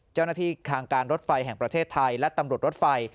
เจ้าหน้าที่ค้างการรถไฟแห่งประเทศไทยและตำรวจรถไฟ